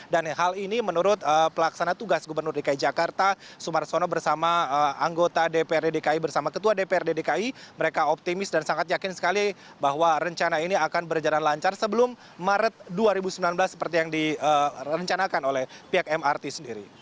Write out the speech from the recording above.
dan hal ini menurut pelaksana tugas gubernur dki jakarta sumar sono bersama anggota dprd dki bersama ketua dprd dki mereka optimis dan sangat yakin sekali bahwa rencana ini akan berjalan lancar sebelum maret dua ribu sembilan belas seperti yang direncanakan oleh pihak mrt sendiri